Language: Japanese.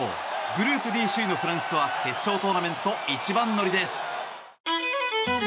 グループＤ首位のフランスは決勝トーナメント一番乗りです。